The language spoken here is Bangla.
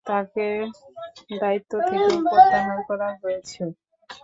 তাঁকে দায়িত্ব থেকেও প্রত্যাহার করা হয়েছে।